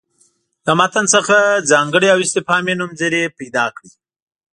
له متن څخه ځانګړي او استفهامي نومځړي پیدا کړي.